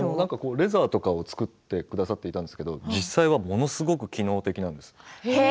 レザーを作ってくださっていたんですが実際にものすごく機能的なんです。